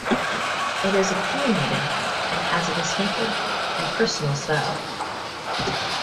It is opinionated and has a distinctive and personal style.